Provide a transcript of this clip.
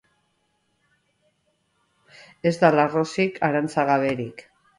Ez da larrosik, arantza gaberik.